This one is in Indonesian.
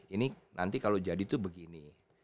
ini nanti kalau jadi itu begini